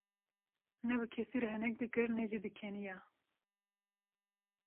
Ne bi kesî re henek dikir ne jî dikeniya.